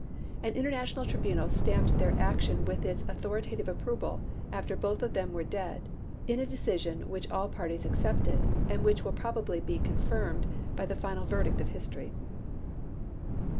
An international tribunal stamped their action with its authoritative approval after both of them were dead, in a decision which all parties accepted, and which will probably be confirmed by the final verdict of history.